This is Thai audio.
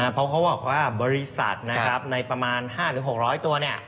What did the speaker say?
เพราะเขาบอกว่าบริษัทในประมาณ๕๖๐๐ตัว